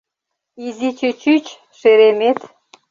Изи чӱчӱч — шеремет...